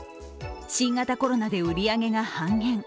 新型コロナで売り上げが半減。